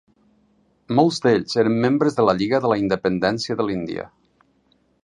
Molts d'ells eren membres de la Lliga de la Independència de l'Índia.